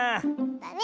だね！